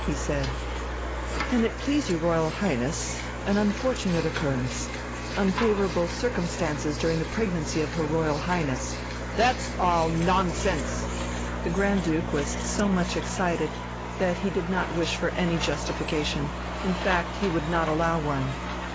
He said: "An it please Your Royal Highness.... An unfortunate occurrence. Unfavourable circumstances during the pregnancy of her Royal Highness...." "That's all nonsense!" The Grand Duke was so much excited that he did not wish for any justification, in fact he would not allow one.